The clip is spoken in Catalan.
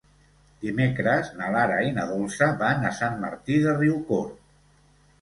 Dimecres na Lara i na Dolça van a Sant Martí de Riucorb.